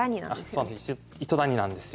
あっそうなんです。